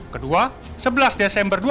kedua sebelas desember dua ribu dua puluh